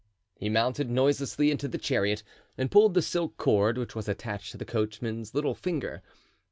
He mounted noiselessly into the chariot and pulled the silk cord which was attached to the coachman's little finger.